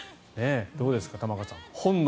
どうです玉川さん。